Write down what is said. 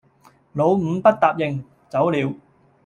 老五不答應，走了；